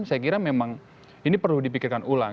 saya kira memang ini perlu dipikirkan ulang